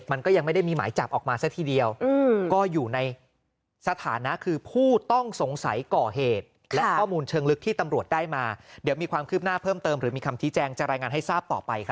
มันก็ยังไม่ได้มีหมายจับออกมาซะทีเดียว